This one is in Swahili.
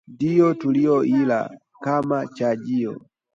Ndiyo tuliyoila Kama chajio